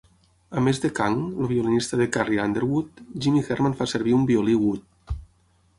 A més de Kang, el violinista de Carrie Underwood, Jimmy Herman fa servir un Violí Wood.